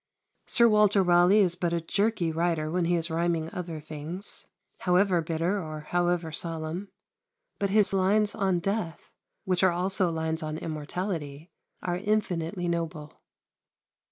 Sir Walter Raleigh is but a jerky writer when he is rhyming other things, however bitter or however solemn; but his lines on death, which are also lines on immortality, are infinitely noble.